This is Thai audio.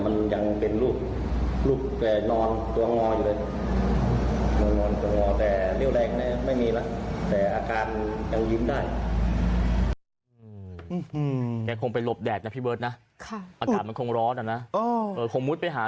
มันยังเป็นรูปรูปแกนอนตัวงออยู่เลย